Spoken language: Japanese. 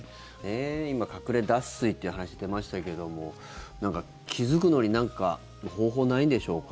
今、隠れ脱水って話出ましたけども気付くのになんか方法ないんでしょうか？